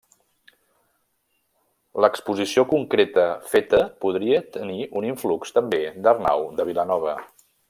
L’exposició concreta feta podria tenir un influx també d'Arnau de Vilanova.